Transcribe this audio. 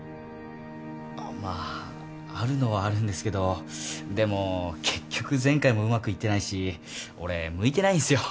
まああるのはあるんですけどでも結局前回もうまくいってないし俺向いてないんすよ。